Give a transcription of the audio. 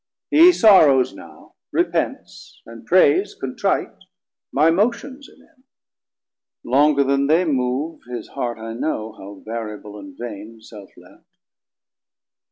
He sorrows now, repents, and prayes contrite, 90 My motions in him, longer then they move, His heart I know, how variable and vain Self left.